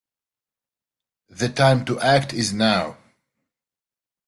The time to act is now.